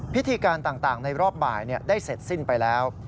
พิธีการต่างในรอบบ่ายได้เสร็จสิ้นไปแล้ว